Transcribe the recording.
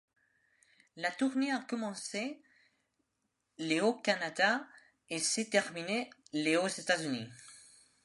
La tournée a commencé le au Canada et s'est terminé le aux États-Unis.